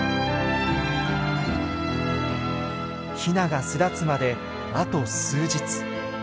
ヒナが巣立つまであと数日。